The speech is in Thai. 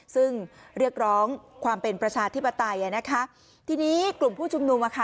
ซึ่งเรียกร้องความเป็นประชาธิปไตยอ่ะนะคะทีนี้กลุ่มผู้ชุมนุมอ่ะค่ะ